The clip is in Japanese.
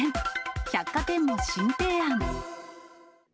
百貨店も新提案。